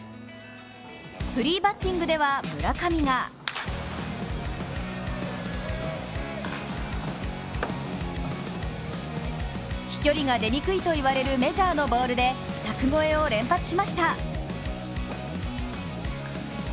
フリーバッティングでは村上が飛距離が出にくいと言われるメジャーのボールで柵越えを連発しました。